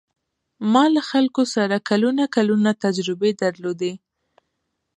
ما له خلکو سره کلونه کلونه تجربې درلودې.